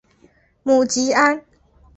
母吉安。